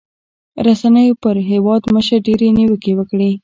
رسنيو پر هېوادمشر ډېرې نیوکې وکړې.